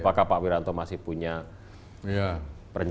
apakah pak wilanto masih punya rencana ada plan tertentu